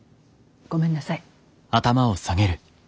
ごめんなさい。